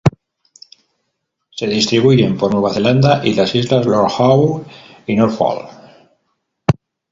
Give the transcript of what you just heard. Se distribuyen por Nueva Zelanda y las islas Lord Howe y Norfolk.